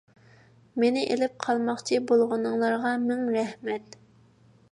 مېنى ئېلىپ قالماقچى بولغىنىڭلارغا مىڭ رەھمەت.